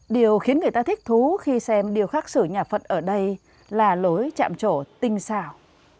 điều khiến người ta thích thú khi xem điều khác sử nhà phật ở đây là lối chạm chỗ tinh xảo